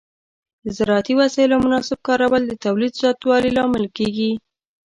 د زراعتي وسایلو مناسب کارول د تولید زیاتوالي لامل کېږي.